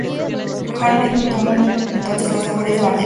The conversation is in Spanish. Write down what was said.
Hawley tomó entonces las labores de batería y Hawthorne tocó el bajo.